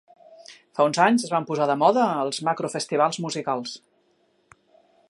Fa uns anys es van posar de moda els macrofestivals musicals.